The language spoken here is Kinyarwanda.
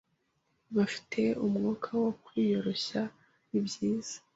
Bafite umwuka wo kwiyoroshya nibyiza